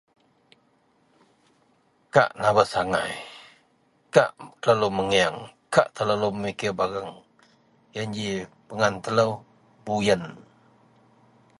kak nerves agai, kak telalu megieang, kak telalu memikir barang, ien ji pegan telou buyen.